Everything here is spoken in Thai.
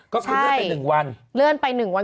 ก็คือเลื่อนไป๑วัน